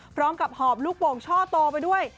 พร้อมกับหอบลูกโป่งช่อโตไปด้วย